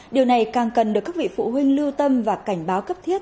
điều này càng cần được các vị phụ huynh lưu tâm và cảnh báo cấp thiết